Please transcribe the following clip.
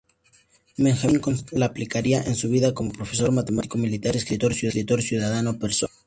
Benjamín Constant las aplicaría en su vida como profesor, matemático, militar, escritor, ciudadano, persona.